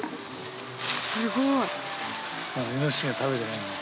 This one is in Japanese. すごい。